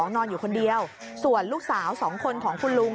นอนอยู่คนเดียวส่วนลูกสาว๒คนของคุณลุง